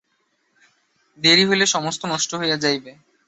দেরি হইলে সমস্ত নষ্ট হইয়া যাইবে।